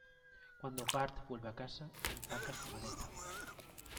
Cuando Bart vuelve a casa, empaca su maleta.